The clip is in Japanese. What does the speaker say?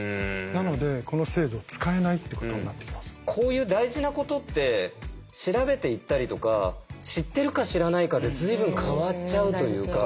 なのでこの制度を使えないってことになっています。こういう大事なことって調べていったりとか知ってるか知らないかで随分変わっちゃうというか。